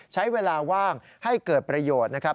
ใช้เวลาว่างให้เกิดประโยชน์นะครับ